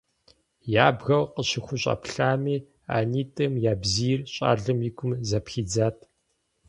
Ябгэу къыщыхущӏэплъами а нитӏым я бзийр щӏалэм и гум зэпхидзат.